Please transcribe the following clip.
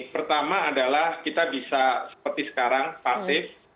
pertama adalah kita bisa seperti sekarang pasif